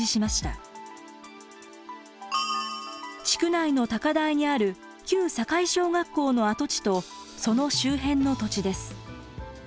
地区内の高台にある旧境小学校の跡地とその周辺の土地です。